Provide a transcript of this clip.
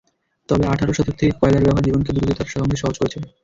তবে আঠারো শতক থেকে কয়লার ব্যবহার জীবনকে দ্রুততার সঙ্গে সহজ করেছে।